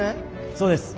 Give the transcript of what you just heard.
そうです。